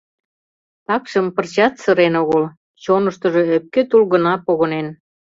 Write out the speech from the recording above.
Такшым пырчат сырен огыл, чоныштыжо ӧпке тул гына погынен.